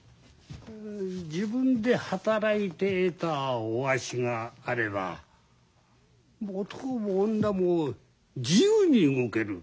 自分で働いて得たおアシがあれば男も女も自由に動ける。